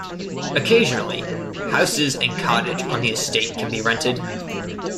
Occasionally, houses and cottage on the estate can be rented.